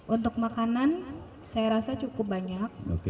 untuk makanan saya rasa cukup banyak